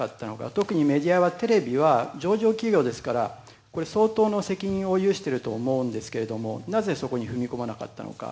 特にメディアはテレビは上場企業ですから相当な責任を有していると思うんですけれどもなぜそれを踏み入れなかったのか。